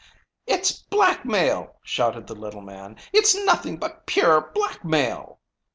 "It's blackmail!" shouted the little man. "It's nothing but pure blackmail."